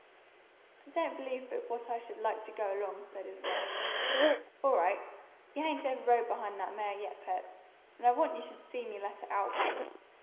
"I don't believe but what I should like to go along," said his wife. "All right. You hain't ever rode behind that mare yet, Pert, and I want you should see me let her out once.